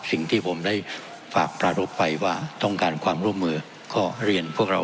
สิ่งที่ผมได้ฝากประรบไปว่าต้องการความร่วมมือก็เรียนพวกเรา